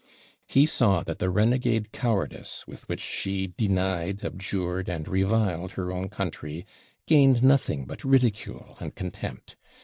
He saw that the renegade cowardice, with which she denied, abjured, and reviled her own country, gained nothing but ridicule and contempt.